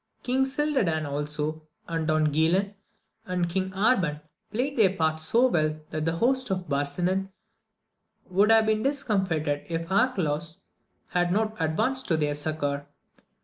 King Cildadan also and Don Guilan and King Arban played their part so well, that the host of Barsinan would have been discomfited if Arcalaus had not advanced to their succour.